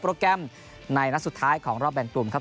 แกรมในนัดสุดท้ายของรอบแบ่งกลุ่มครับ